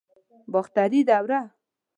باختري دوره